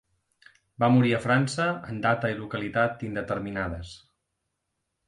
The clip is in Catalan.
Va morir a França en data i localitat indeterminades.